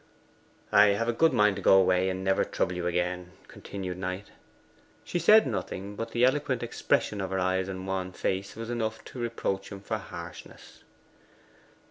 'I have a good mind to go away and never trouble you again,' continued Knight. She said nothing, but the eloquent expression of her eyes and wan face was enough to reproach him for harshness.